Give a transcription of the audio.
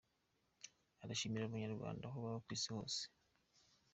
Arashimira Abanyarwanda aho baba ku isi hose.